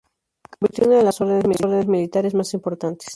Se convirtió en una de las órdenes militares más importantes.